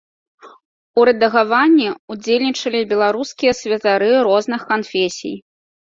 У рэдагаванні ўдзельнічалі беларускія святары розных канфесій.